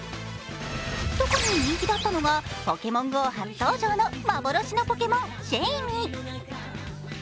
特に人気だったのが「ポケモンＧＯ」初登場の幻のポケモン、シェイミ。